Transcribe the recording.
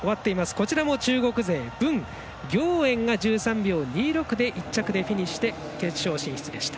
こちらも中国勢、文暁燕が１３秒２６で１着でフィニッシュで決勝進出でした。